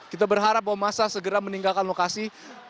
kita berharap bahwa masa segera meninggalkan lokasi